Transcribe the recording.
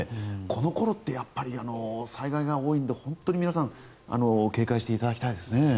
この頃ってやっぱり災害が多いので本当に皆さん警戒していただきたいですね。